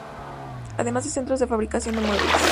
Además de centros de fabricación de muebles.